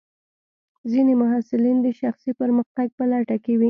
ځینې محصلین د شخصي پرمختګ په لټه کې وي.